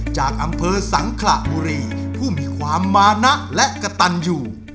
จากอำเภอสังขระบุรีผู้มีความมานะและกระตันอยู่